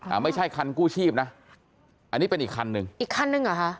ไม่ใช่คันกู้ชีพนะอันนี้เป็นอีกคันหนึ่งอีกคันนึงเหรอคะ